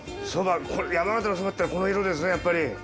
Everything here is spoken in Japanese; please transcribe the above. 山形のそばってこの色ですねやっぱり。